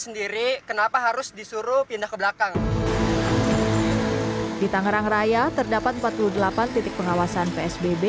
sendiri kenapa harus disuruh pindah ke belakang di tangerang raya terdapat empat puluh delapan titik pengawasan psbb